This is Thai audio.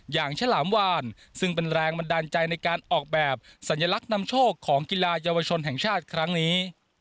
ฉลามวานซึ่งเป็นแรงบันดาลใจในการออกแบบสัญลักษณ์นำโชคของกีฬาเยาวชนแห่งชาติครั้งนี้